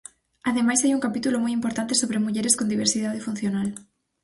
Ademais hai un capítulo moi importante sobre mulleres con diversidade funcional.